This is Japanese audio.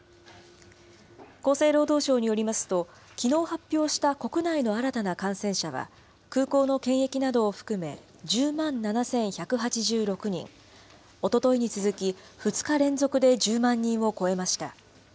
厚生労働省によりますと、きのう発表した国内の新たな感染者は、空港の検疫などを含め１０万７１８６人、おとといに続き、２日連続で１０万人を超えました。